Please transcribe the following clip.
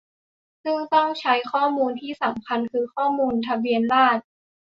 ซึ่งต้องใช้ข้อมูลที่สำคัญคือข้อมูลทะเบียนราษฎร์